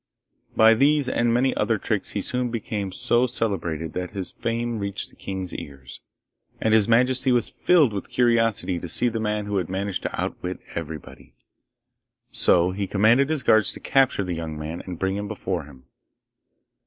By these and many other tricks he soon became so celebrated that his fame reached the king's ears, and his majesty was filled with curiosity to see the man who had managed to outwit everybody. So he commanded his guards to capture the young man and bring him before him.